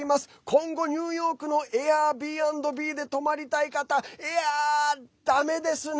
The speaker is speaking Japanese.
今後ニューヨークのＡｉｒｂｎｂで泊まりたい方えやだめですね。